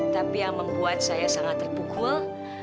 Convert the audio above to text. tapi yang membuat saya sangat terpukul